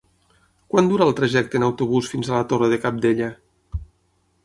Quant dura el trajecte en autobús fins a la Torre de Cabdella?